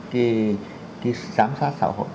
cái giám sát xã hội